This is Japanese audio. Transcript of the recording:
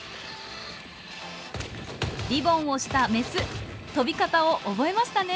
リボンをしたメス跳び方を覚えましたね。